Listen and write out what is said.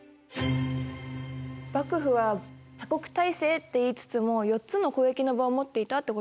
幕府は鎖国体制って言いつつも４つの交易の場を持っていたってことなんですね。